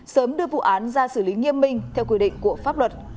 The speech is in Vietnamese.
sớm đưa vụ án ra xử lý nghiêm minh theo quy định của pháp luật